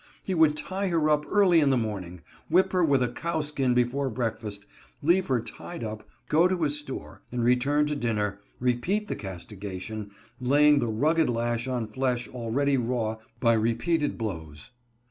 He would tie her up early in the morning, whip her with a cowskin before breakfast, leave her tied up, go to his store, and, returning to dinner, repeat the casti gation, laying the rugged lash on flesh already raw by repeated blows.